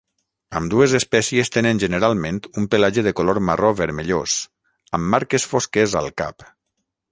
Ambdues espècies tenen generalment un pelatge de color marró vermellós, amb marques fosques al cap.